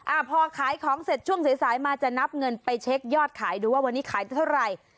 อ่าพอขายของเสร็จช่วงสายสายมาจะนับเงินไปเช็คยอดขายดูว่าวันนี้ขายเท่าไหร่